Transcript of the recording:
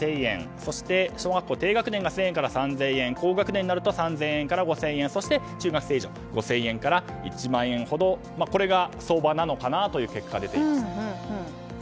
そして小学校低学年が１０００円から３０００円高学年になると３０００円から５０００円そして、中学生以上は５０００円から１万円ほどこれが相場なのかなというふうに挙げています。